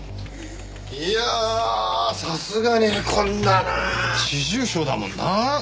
いやあさすがにへこんだなあ。